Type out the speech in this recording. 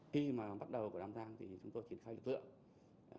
khi mà bắt đầu của năm tháng thì chúng tôi tiến khai lực lượng